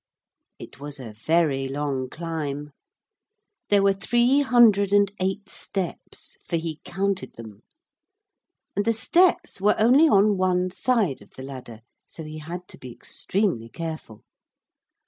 It was a very long climb. There were three hundred and eight steps, for he counted them. And the steps were only on one side of the ladder, so he had to be extremely careful.